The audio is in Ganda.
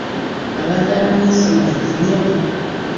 Abadde anoonya essimu agifunye?